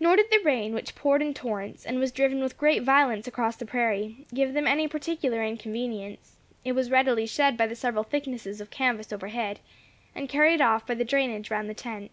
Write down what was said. Nor did the rain which poured in torrents, and was driven with great violence across the prairie, give them any particular inconvenience; it was readily shed by the several thicknesses of canvas overhead, and carried off by the drainage round the tent.